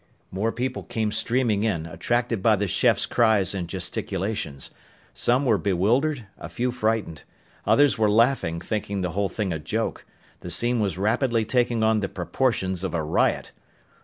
More people came streaming in, attracted by the chef's cries and gesticulations. Some were bewildered, a few frightened. Others were laughing, thinking the whole thing a joke. The scene was rapidly taking on the proportions of a riot!